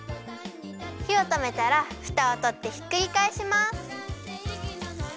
ひをとめたらフタをとってひっくりかえします。